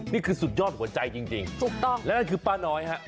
นี่คือสุดยอดหัวใจจริงและนั่นคือป้าน้อยครับ